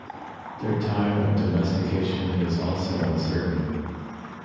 Their time of domestication is also uncertain.